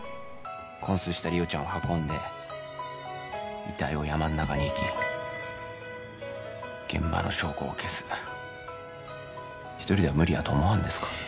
こん睡した梨央ちゃんを運んで遺体を山ん中に遺棄現場の証拠を消す一人では無理やと思わんですか？